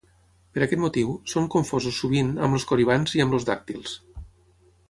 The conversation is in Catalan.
Per aquest motiu, són confosos sovint amb els Coribants i amb els Dàctils.